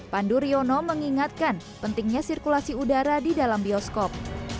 pandu riono mengingatkan pentingnya sirkulasi udara di dalam bioskop